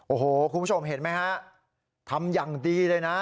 โอ้โหคุณผู้ชมเห็นไหมฮะทำอย่างดีเลยนะ